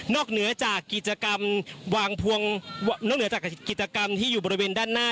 นอกจากกิจกรรมที่อยู่บริเวณด้านหน้า